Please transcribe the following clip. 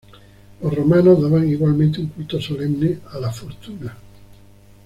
Los romanos daban igualmente un culto solemne a la fortuna.